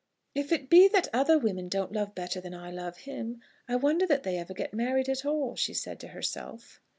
"If it be that other women don't love better than I love him, I wonder that they ever get married at all," she said to herself.